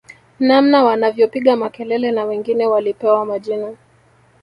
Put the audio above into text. Namna wanavyopiga makelele na wengine walipewa majina